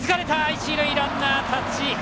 一塁ランナー、タッチ！